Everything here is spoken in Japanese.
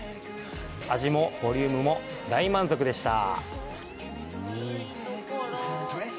味もボリュームも大満足でした。